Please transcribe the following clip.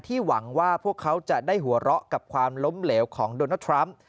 หวังว่าพวกเขาจะได้หัวเราะกับความล้มเหลวของโดนัลดทรัมป์